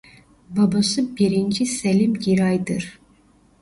Babası birinci Selim Giray'dır.